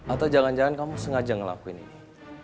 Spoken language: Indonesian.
atau jangan jangan kamu sengaja ngelakuin ini